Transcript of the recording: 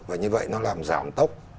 và như vậy nó làm giảm tốc